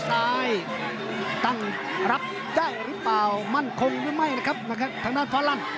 ซ้ายตั้งรับได้หรือเปล่ามั่นคงหรือไม่นะครับทางด้านฟ้าลั่น